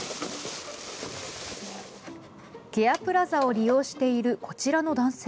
ケアプラザを利用しているこちらの男性。